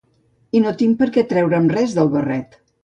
I no tinc per què treure’m res del barret.